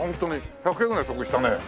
１００円ぐらい得したね。